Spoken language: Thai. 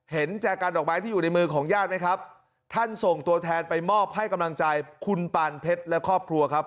แจกันดอกไม้ที่อยู่ในมือของญาติไหมครับท่านส่งตัวแทนไปมอบให้กำลังใจคุณปานเพชรและครอบครัวครับ